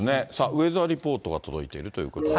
ウェザーリポートが届いているということで。